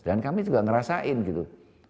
dan kami juga ngerasain gitu